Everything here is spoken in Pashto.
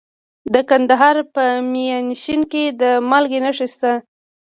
د کندهار په میانشین کې د مالګې نښې شته.